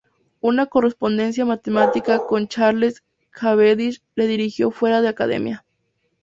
Una correspondencia matemática con Charles Cavendish le dirigió fuera de academia.